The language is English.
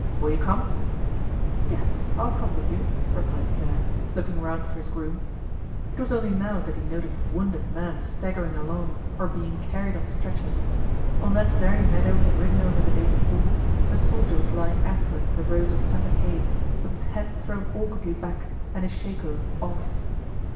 "Will you come?" "Yes, I'll come with you," replied Pierre, looking round for his groom. It was only now that he noticed wounded men staggering along or being carried on stretchers. On that very meadow he had ridden over the day before, a soldier was lying athwart the rows of scented hay, with his head thrown awkwardly back and his shako off.